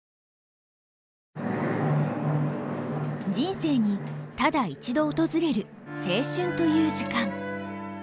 人生にただ一度訪れる青春という時間。